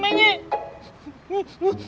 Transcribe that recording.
maka dari itu